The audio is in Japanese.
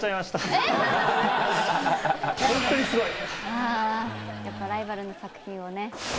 ああやっぱライバルの作品をね